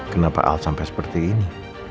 kenapa al sampai seperti ini